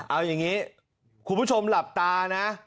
เอาอย่างนี้คุณผู้ชมหลับตานะ